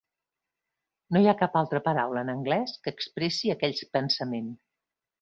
No hi ha cap altra paraula en anglès que expressi aquell pensament.